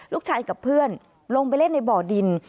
กับเพื่อนลงไปเล่นในบ่อดิน